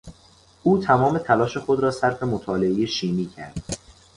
او تمام تلاش خود را صرف مطالعه شیمی کرد.